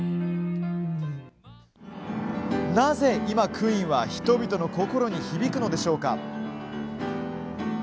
なぜ今、クイーンは人々の心に響くのでしょうか？